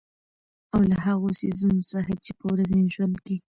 او له هـغو څـيزونه څـخـه چـې په ورځـني ژونـد کـې